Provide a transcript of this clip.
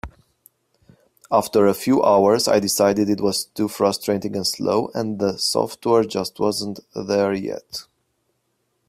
After a few hours I decided it was too frustrating and slow, and the software just wasn't there yet.